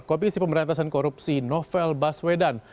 komisi pemberantasan korupsi novel baswedan